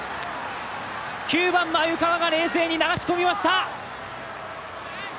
９番の鮎川が冷静に流し込みました！